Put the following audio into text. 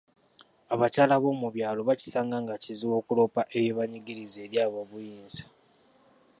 Abakyala b'omu byalo bakisanga nga kizibu okuloopa ebibanyigiriza eri aboobuyinza.